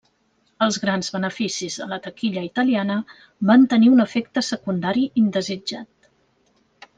Els grans beneficis a la taquilla italiana van tenir un efecte secundari indesitjat.